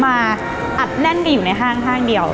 อัดแน่นกันอยู่ในห้างเดียว